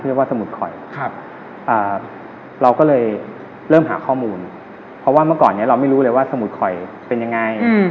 เพราะว่าเมื่อก่อนเราไม่รู้เลยว่าสมุดคอยเป็นยังไง